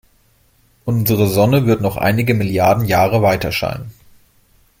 Unsere Sonne wird noch einige Milliarden Jahre weiterscheinen.